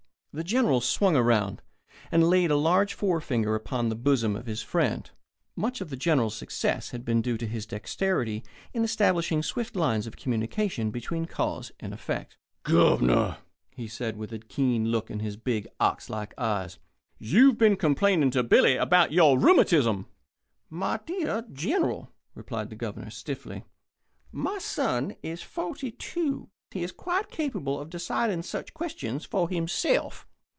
The General swung round, and laid a large forefinger upon the bosom of his friend. Much of the General's success had been due to his dexterity in establishing swift lines of communication between cause and effect. "Governor," he said, with a keen look in his big, ox like eyes, "you've been complaining to Billy about your rheumatism." "My dear General," replied the Governor, stiffly, "my son is forty two. He is quite capable of deciding such questions for himself.